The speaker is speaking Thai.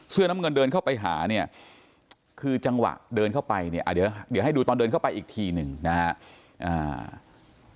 เสื้อน้ำเงินเดินเข้าไปหาเนี่ยคือจังหวะเดินเข้าไปเนี่ยเดี๋ยวให้ดูตอนเดินเข้าไปอีกทีหนึ่งนะฮะ